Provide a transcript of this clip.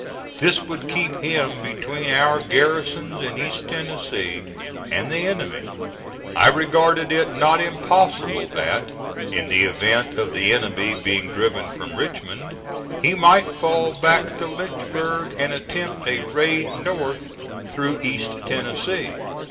This would keep him between our garrisons in East Tennessee and the enemy. I regarded it not impossible that in the event of the enemy being driven from Richmond, he might fall back to Lynchburg and attempt a raid north through East Tennessee.